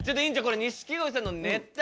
この錦鯉さんのネタ